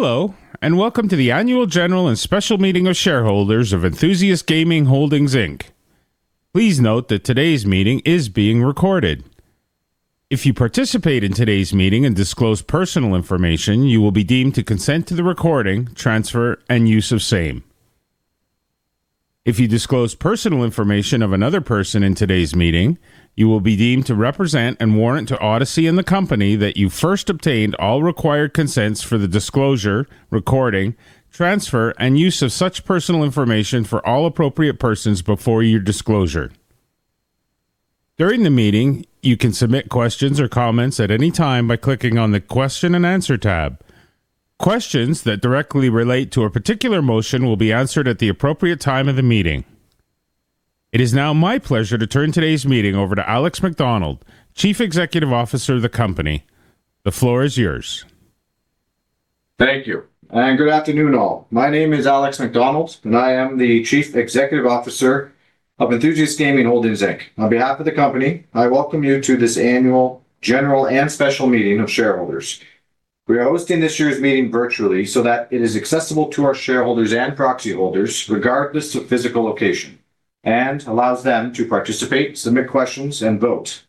Hello, and welcome to the Annual General and Special Meeting of Shareholders of Enthusiast Gaming Holdings. Please note that today's meeting is being recorded. If you participate in today's meeting and disclose personal information, you will be deemed to consent to the recording, transfer, and use of same. If you disclose personal information of another person in today's meeting, you will be deemed to represent and warrant to Odyssey and the company that you first obtained all required consents for the disclosure, recording, transfer, and use of such personal information for all appropriate persons before your disclosure. During the meeting, you can submit questions or comments at any time by clicking on the question and answer tab. Questions that directly relate to a particular motion will be answered at the appropriate time of the meeting. It is now my pleasure to turn today's meeting over to Alex Macdonald, Chief Executive Officer of the company. The floor is yours. Thank you, good afternoon, all. My name is Alex Macdonald, and I am the Chief Executive Officer of Enthusiast Gaming Holdings. On behalf of the company, I welcome you to this annual general and special meeting of shareholders. We are hosting this year's meeting virtually so that it is accessible to our shareholders and proxy holders regardless of physical location, and allows them to participate, submit questions, and vote.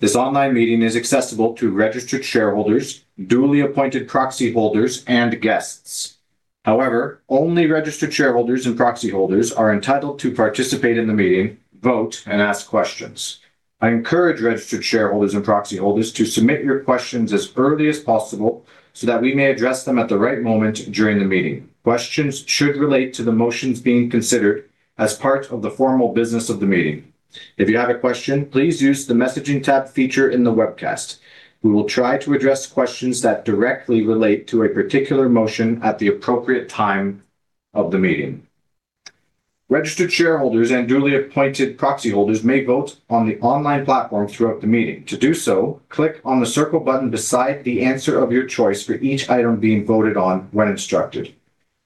This online meeting is accessible to registered shareholders, duly appointed proxy holders, and guests. However, only registered shareholders and proxy holders are entitled to participate in the meeting, vote, and ask questions. I encourage registered shareholders and proxy holders to submit your questions as early as possible so that we may address them at the right moment during the meeting. Questions should relate to the motions being considered as part of the formal business of the meeting. If you have a question, please use the messaging tab feature in the webcast. We will try to address questions that directly relate to a particular motion at the appropriate time of the meeting. Registered shareholders and duly appointed proxy holders may vote on the online platform throughout the meeting. To do so, click on the circle button beside the answer of your choice for each item being voted on when instructed.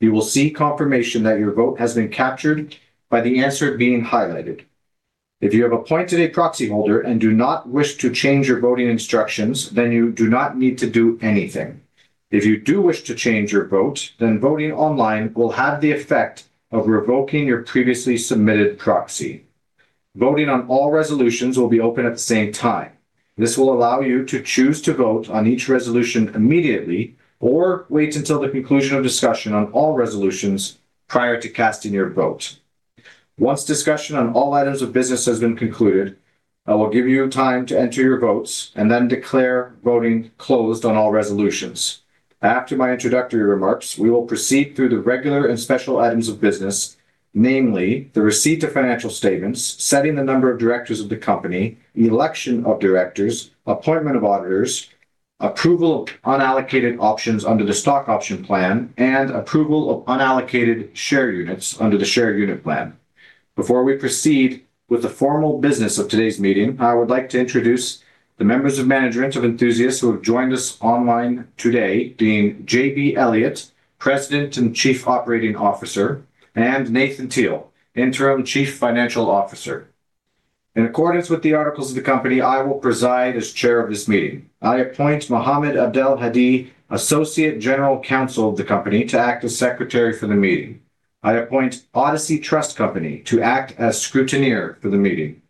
You will see confirmation that your vote has been captured by the answer being highlighted. If you have appointed a proxy holder and do not wish to change your voting instructions, you do not need to do anything. If you do wish to change your vote, voting online will have the effect of revoking your previously submitted proxy. Voting on all resolutions will be open at the same time. This will allow you to choose to vote on each resolution immediately or wait until the conclusion of discussion on all resolutions prior to casting your vote. Once discussion on all items of business has been concluded, I will give you time to enter your votes and then declare voting closed on all resolutions. After my introductory remarks, we will proceed through the regular and special items of business, namely the receipt of financial statements, setting the number of directors of the company, the election of directors, appointment of auditors, approval of unallocated options under the stock option plan, and approval of unallocated share units under the share unit plan. Before we proceed with the formal business of today's meeting, I would like to introduce the members of management of Enthusiast who have joined us online today, being J.B. Elliott, President and Chief Operating Officer, and Nathan Teal, Interim Chief Financial Officer. In accordance with the articles of the company, I will preside as chair of this meeting. I appoint Mohamed Abdel Hadi, Associate General Counsel of the company, to act as Secretary for the meeting. I appoint Odyssey Trust Company to act as Scrutineer for the meeting.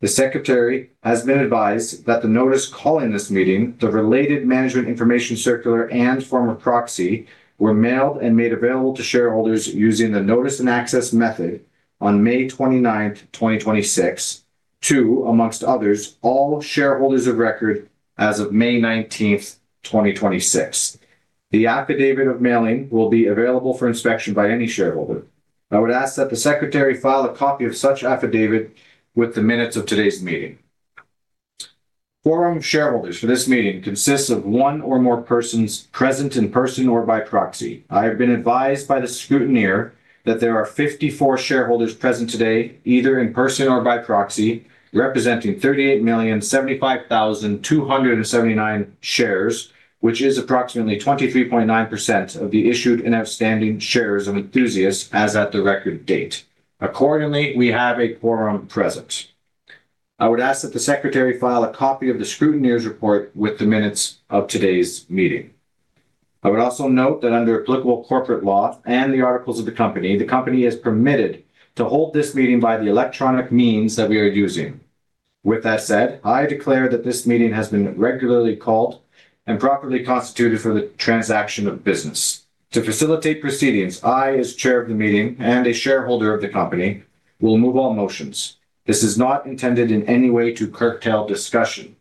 The Secretary has been advised that the notice calling this meeting, the related management information circular, and form of proxy were mailed and made available to shareholders using the notice and access method on May 29th, 2026 to, amongst others, all shareholders of record as of May 19th, 2026. The affidavit of mailing will be available for inspection by any shareholder. I would ask that the Secretary file a copy of such affidavit with the minutes of today's meeting. Quorum shareholders for this meeting consists of one or more persons present in person or by proxy. I have been advised by the scrutineer that there are 54 shareholders present today, either in person or by proxy, representing 38,075,279 shares, which is approximately 23.9% of the issued and outstanding shares of Enthusiast as at the record date. We have a quorum present. I would ask that the Secretary file a copy of the scrutineer's report with the minutes of today's meeting. I would also note that under applicable corporate law and the articles of the company, the company is permitted to hold this meeting by the electronic means that we are using. I declare that this meeting has been regularly called and properly constituted for the transaction of business. To facilitate proceedings, I, as chair of the meeting and a shareholder of the company, will move all motions. This is not intended in any way to curtail discussion.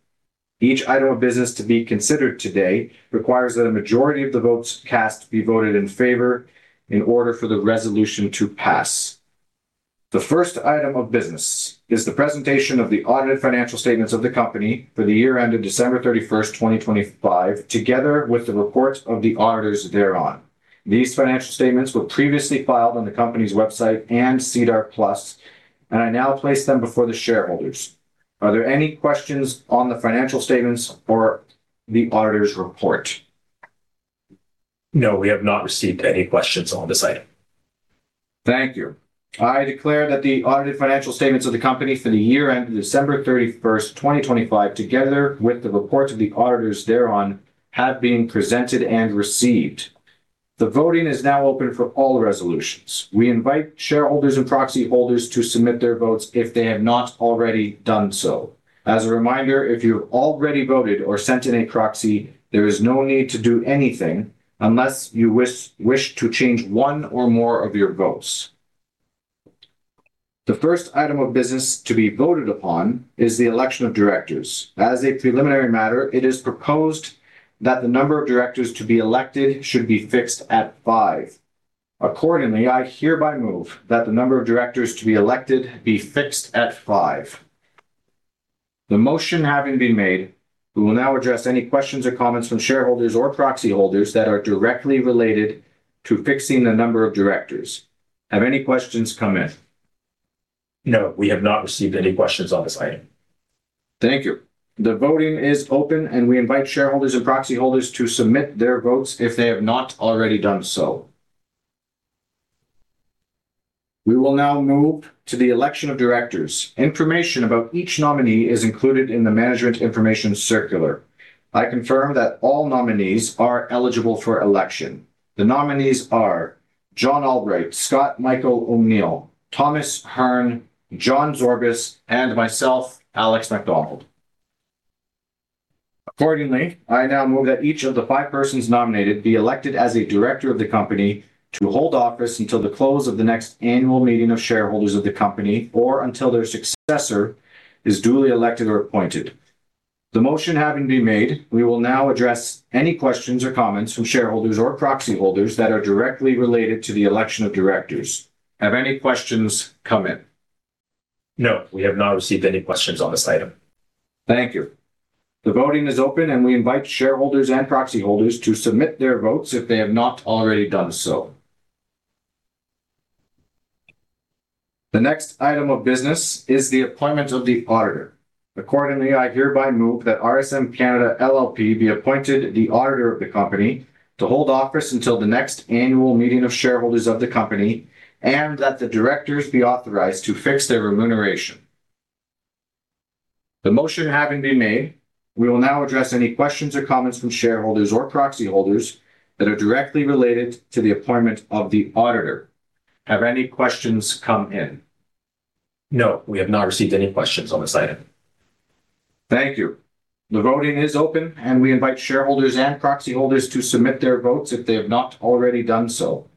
Each item of business to be considered today requires that a majority of the votes cast be voted in favor in order for the resolution to pass. The first item of business is the presentation of the audited financial statements of the company for the year ended December 31st, 2025, together with the report of the auditors thereon. These financial statements were previously filed on the company's website and SEDAR+, and I now place them before the shareholders. Are there any questions on the financial statements or the auditor's report? No, we have not received any questions on this item Thank you. I declare that the audited financial statements of the company for the year ending December 31st, 2025, together with the reports of the auditors thereon, have been presented and received. The voting is now open for all resolutions. We invite shareholders and proxy holders to submit their votes if they have not already done so. As a reminder, if you've already voted or sent in a proxy, there is no need to do anything unless you wish to change one or more of your votes. The first item of business to be voted upon is the election of directors. As a preliminary matter, it is proposed that the number of directors to be elected should be fixed at five. Accordingly, I hereby move that the number of directors to be elected be fixed at five. The motion having been made, we will now address any questions or comments from shareholders or proxy holders that are directly related to fixing the number of directors. Have any questions come in? No, we have not received any questions on this item. Thank you. The voting is open, and we invite shareholders and proxy holders to submit their votes if they have not already done so. We will now move to the election of directors. Information about each nominee is included in the management information circular. I confirm that all nominees are eligible for election. The nominees are John Albright, Scott Michael O'Neil, Thomas Hearne, John Zorbas, and myself, Alex Macdonald. Accordingly, I now move that each of the five persons nominated be elected as a director of the company to hold office until the close of the next annual meeting of shareholders of the company, or until their successor is duly elected or appointed. The motion having been made, we will now address any questions or comments from shareholders or proxy holders that are directly related to the election of directors. Have any questions come in? No, we have not received any questions on this item. Thank you. The voting is open, and we invite shareholders and proxy holders to submit their votes if they have not already done so. The next item of business is the appointment of the auditor. Accordingly, I hereby move that RSM Canada LLP be appointed the auditor of the company to hold office until the next annual meeting of shareholders of the company, and that the directors be authorized to fix their remuneration. The motion having been made, we will now address any questions or comments from shareholders or proxy holders that are directly related to the appointment of the auditor. Have any questions come in? No, we have not received any questions on this item. Thank you. The voting is open, and we invite shareholders and proxy holders to submit their votes if they have not already done so.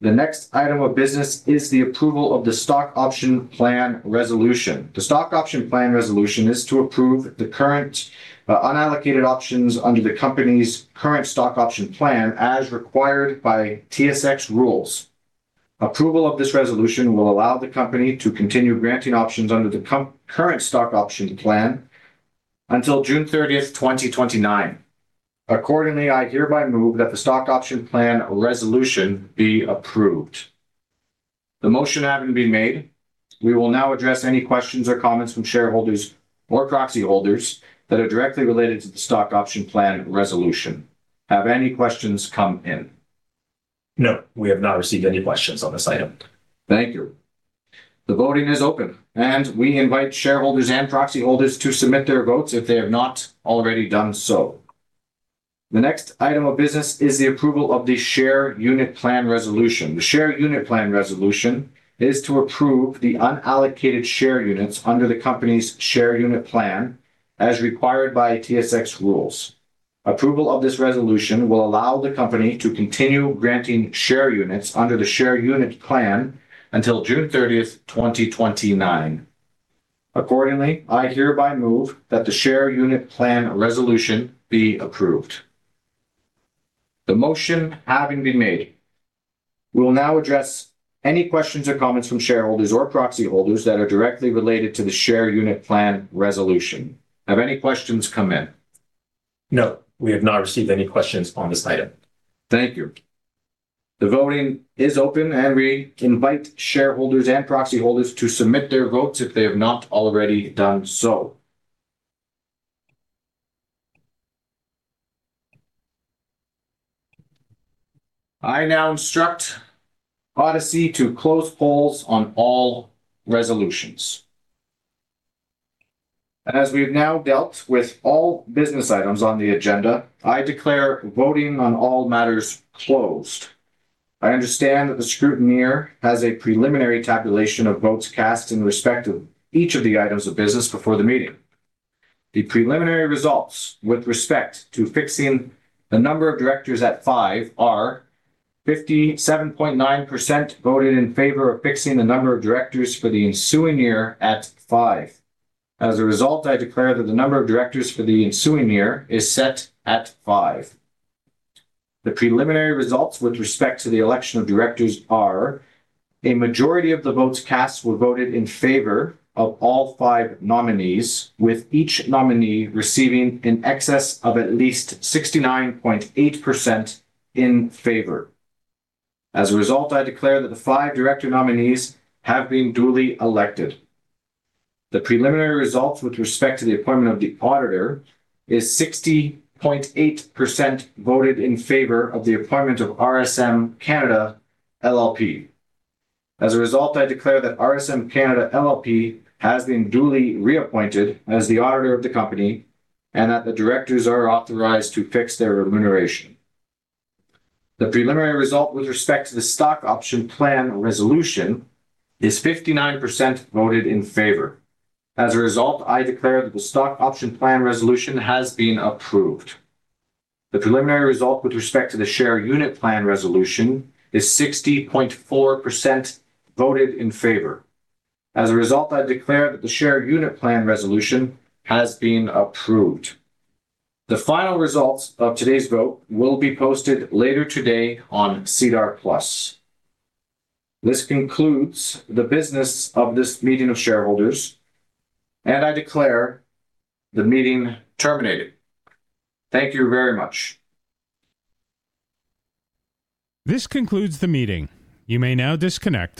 The next item of business is the approval of the stock option plan resolution. The stock option plan resolution is to approve the current unallocated options under the company's current stock option plan as required by TSX rules. Approval of this resolution will allow the company to continue granting options under the current stock option plan until June 30th, 2029. Accordingly, I hereby move that the stock option plan resolution be approved. The motion having been made, we will now address any questions or comments from shareholders or proxy holders that are directly related to the stock option plan resolution. Have any questions come in? No, we have not received any questions on this item. Thank you. The voting is open, and we invite shareholders and proxy holders to submit their votes if they have not already done so. The next item of business is the approval of the share unit plan resolution. The share unit plan resolution is to approve the unallocated share units under the company's share unit plan as required by TSX rules. Approval of this resolution will allow the company to continue granting share units under the share unit plan until June 30th, 2029. Accordingly, I hereby move that the share unit plan resolution be approved. The motion having been made, we will now address any questions or comments from shareholders or proxy holders that are directly related to the share unit plan resolution. Have any questions come in? No, we have not received any questions on this item. Thank you. The voting is open, and we invite shareholders and proxy holders to submit their votes if they have not already done so. I now instruct Odyssey to close polls on all resolutions. As we have now dealt with all business items on the agenda, I declare voting on all matters closed. I understand that the scrutineer has a preliminary tabulation of votes cast in respect of each of the items of business before the meeting. The preliminary results with respect to fixing the number of directors at five are 57.9% voted in favor of fixing the number of directors for the ensuing year at five. As a result, I declare that the number of directors for the ensuing year is set at five. The preliminary results with respect to the election of directors are a majority of the votes cast were voted in favor of all five nominees, with each nominee receiving in excess of at least 69.8% in favor. As a result, I declare that the five director nominees have been duly elected. The preliminary results with respect to the appointment of the auditor is 60.8% voted in favor of the appointment of RSM Canada LLP. As a result, I declare that RSM Canada LLP has been duly reappointed as the auditor of the company and that the directors are authorized to fix their remuneration. The preliminary result with respect to the stock option plan resolution is 59% voted in favor. As a result, I declare that the stock option plan resolution has been approved. The preliminary result with respect to the share unit plan resolution is 60.4% voted in favor. As a result, I declare that the share unit plan resolution has been approved. The final results of today's vote will be posted later today on SEDAR+. This concludes the business of this meeting of shareholders, I declare the meeting terminated. Thank you very much. This concludes the meeting. You may now disconnect.